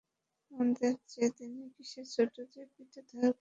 আমাদের চেয়ে তিনি কিসে ছােট যে, পিতা তাঁহাকে অপমান করিবেন?